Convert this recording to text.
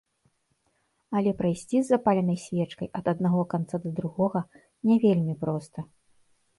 Але прайсці з запаленай свечкай ад аднаго канца да другога не вельмі проста.